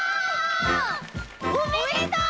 おめでとう！